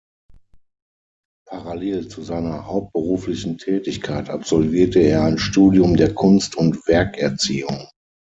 Parallel zu seiner hauptberuflichen Tätigkeit absolvierte er ein Studium der Kunst- und Werkerziehung.